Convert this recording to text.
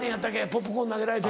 ポップコーン投げられて。